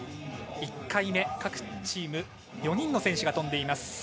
１回目、各チーム４人の選手が飛んでいます。